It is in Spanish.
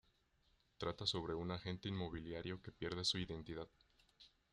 Trata sobre un agente inmobiliario que pierde su identidad.